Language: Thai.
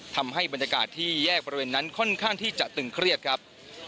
ทำให้บรรยากาศที่แยกบริเวณนั้นค่อนข้างที่จะตึงเครียดครับ